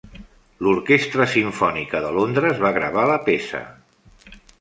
L'orquestra Sinfonia de Londres va gravar la peça.